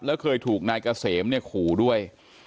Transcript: แล้วเคยถูกนายเกษมเนี่ยขู่ด้วย